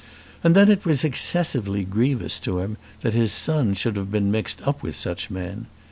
And then it was excessively grievous to him that his son should have been mixed up with such men.